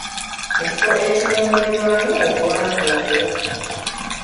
Mu kifo ekiwulirwamu obuwanvu obwo.